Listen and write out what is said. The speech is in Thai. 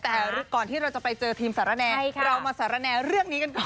แต่ก่อนที่เราจะไปเจอทีมสารแนเรามาสารแนเรื่องนี้กันก่อน